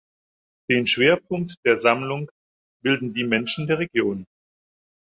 Den Schwerpunkt der Sammlung bilden die Menschen der Region.